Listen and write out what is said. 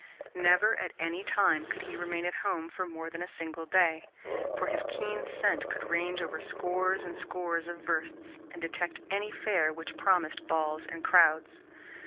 Never at any time could he remain at home for more than a single day, for his keen scent could range over scores and scores of versts, and detect any fair which promised balls and crowds.